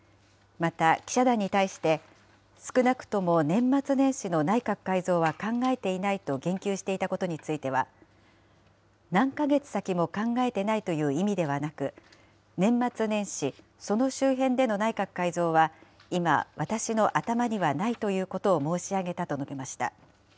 また、記者団に対して、少なくとも年末年始の内閣改造は考えていないと言及していたことについては、何か月先も考えてないという意味ではなく、年末年始、その周辺での内閣改造は今、私の頭にはないということを申し上げたと述べました。